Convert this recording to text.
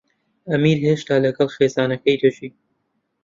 ئەمیر هێشتا لەگەڵ خێزانەکەی دەژی.